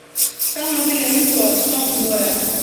kama vile mto wa swam zoya